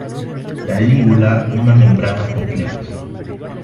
La lígula una membrana con flecos.